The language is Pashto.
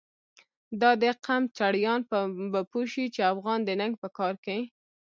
دادقم چړیان به پوه شی، چی افغان د ننګ په کار کی